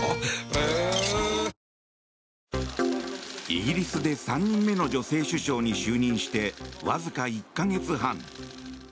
イギリスで３人目の女性首相に就任してわずか１か月半。